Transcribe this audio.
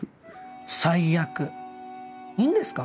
最悪いいんですか？